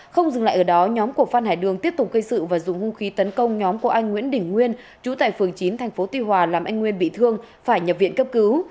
không dừng lại ở đó nhóm của phan hải đường tiếp tục gây sự và dùng hung khí tấn công nhóm của anh nguyễn đình nguyên chú tại phường chín tp tuy hòa làm anh nguyên bị thương phải nhập viện cấp cứu